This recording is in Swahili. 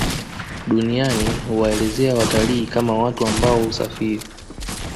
Duniani huwaelezea watalii kama watu ambao husafiri